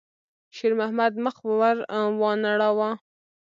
شېرمحمد مخ ور وانه ړاوه.